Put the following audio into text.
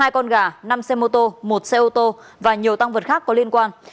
hai con gà năm xe mô tô một xe ô tô và nhiều tăng vật khác có liên quan